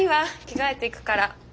着替えて行くから。